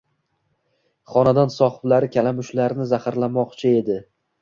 Xonadon sohiblari kalamushlarni zaharlamoqchi edi.